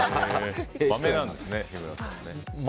まめなんですね、日村さんね。